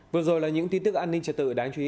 vừa rồi là những tin tức an ninh trật tự đáng chú ý